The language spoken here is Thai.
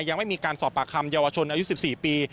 ยังไม่มีการสอบปากคำเยาวชนอายุ๑๔ปี